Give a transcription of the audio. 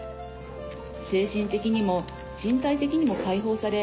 精神的にも身体的にも解放され